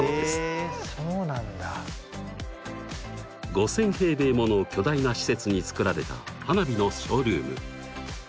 ５，０００平米もの巨大な施設に作られた花火のショールーム！